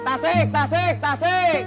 tasik tasik tasik